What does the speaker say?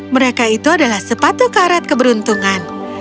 mereka itu adalah sepatu karet keberuntungan